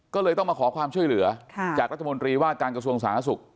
ก็เลยต้องมาขอความช่วยเหลือจากรัฐมนตรีว่าการกระทรวงสาธารณสุข